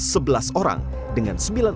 dengan sebilangan orang yang terkena penyidik